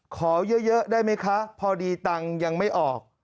ขอเยอะได้ไหมคะพอดีตังค์ยังไม่ออก